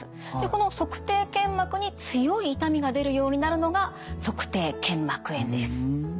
この足底腱膜に強い痛みが出るようになるのが足底腱膜炎です。